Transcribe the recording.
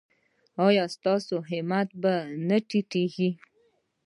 ایا ستاسو همت به نه ټیټیږي؟